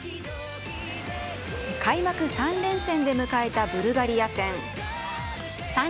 開幕３連勝で迎えたブルガリア戦。